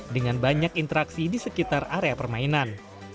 dengan banyak interaksi di sekitar area permainan